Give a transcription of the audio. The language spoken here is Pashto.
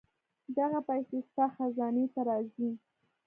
دغه پېسې ستا خزانې ته راځي.